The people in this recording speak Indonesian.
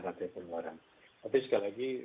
hati orang tapi sekali lagi